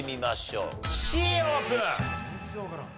Ｃオープン。